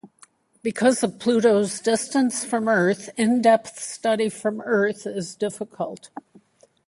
Because of Pluto's distance from Earth, in-depth study from Earth is difficult.